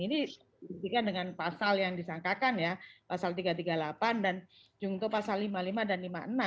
ini dihentikan dengan pasal yang disangkakan ya pasal tiga ratus tiga puluh delapan dan juga pasal lima puluh lima dan lima puluh enam